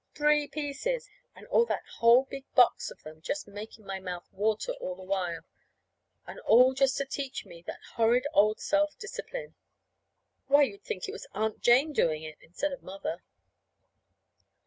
Three pieces! and all that whole big box of them just making my mouth water all the while; and all just to teach me that horrid old self discipline! Why, you'd think it was Aunt Jane doing it instead of Mother!